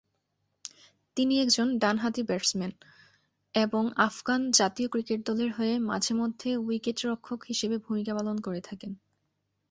তিনি একজন ডান হাতি ব্যাটসম্যান এবং আফগান জাতীয় ক্রিকেট দলের হয়ে মাঝে মধ্যে উইকেটরক্ষক হিসেবে ভূমিকা পালন করে থাকেন।